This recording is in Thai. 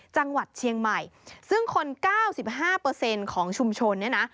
จังหวัดเชียงใหม่ซึ่งคนเก้าสิบห้าเปอร์เซ็นต์ของชุมชนเนี่ยนะ